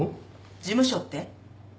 事務所って？